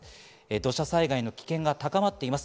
土砂災害の危険が高まっています。